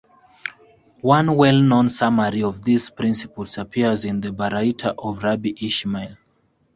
One well-known summary of these principles appears in the Baraita of Rabbi Ishmael.